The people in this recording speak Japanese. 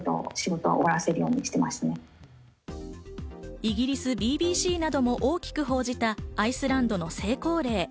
イギリスＢＢＣなども大きく報じたアイスランドの成功例。